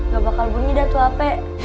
gak bakal bunyi dah tuh ape